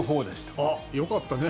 よかったね。